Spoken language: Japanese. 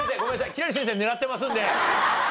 輝星先生狙ってますんで。